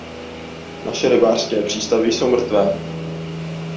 Naše rybářské přístavy jsou mrtvé.